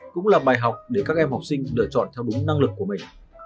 cũng là bài học để các em học sinh lựa chọn theo đúng năng lực của mình